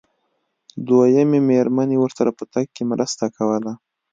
دويمې مېرمنې ورسره په تګ کې مرسته کوله.